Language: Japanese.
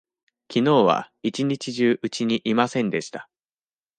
きのうは一日中うちにいませんでした。